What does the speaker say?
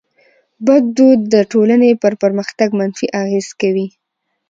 بد دود د ټټولني پر پرمختګ منفي اغېز کوي.